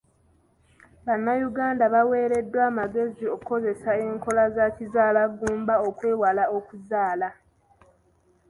Bannayuganda baweereddwa amagezi okukozesa enkola za kizaalaggumba okwewala okuzaala.